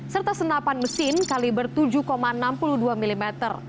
serta senapan mesin kaliber tujuh enam puluh dua mm